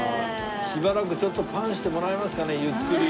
しばらくちょっとパンしてもらえますかねゆっくり。